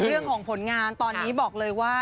เรื่องของผลงานตอนนี้บอกเลยว่า